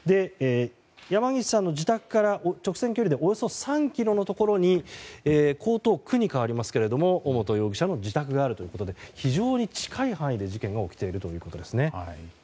山岸さんの自宅から直線距離でおよそ３ｋｍのところに江東区に変わりますけれども尾本容疑者の自宅があるということで非常に近い範囲で事件が起きているということですね。